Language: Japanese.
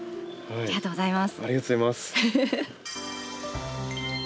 ありがとうございます。